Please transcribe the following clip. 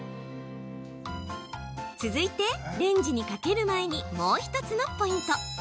続いて、レンジにかける前にもう１つのポイント。